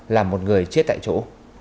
làm một người chết tại chỗ